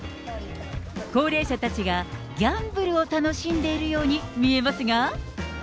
高齢者たちがギャンブルを楽しんでいるように見えますが。